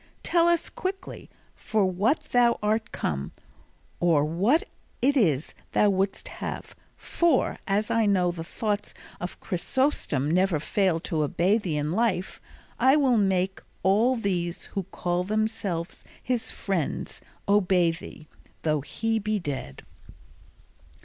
Tell us quickly for what thou art come, or what it is thou wouldst have, for, as I know the thoughts of Chrysostom never failed to obey thee in life, I will make all these who call themselves his friends obey thee, though he be dead."